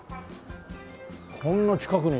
こんな近くに。